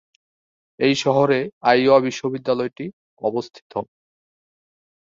এই শহরে আইওয়া বিশ্ববিদ্যালয়টি অবস্থিত।